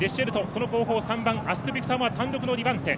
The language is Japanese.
その後方３番アスクビクターモアは単独の２番手。